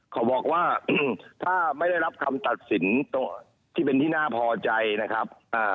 เขาบอกว่าถ้าไม่ได้รับคำตัดสินที่เป็นที่น่าพอใจนะครับ